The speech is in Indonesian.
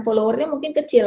followernya mungkin kecil